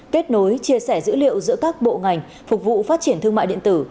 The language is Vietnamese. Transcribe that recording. kết nối chia sẻ dữ liệu giữa các bộ ngành phục vụ phát triển thương mại điện tử